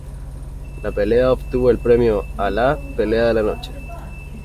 La pelea obtuvo el premio a la "Pelea de la Noche".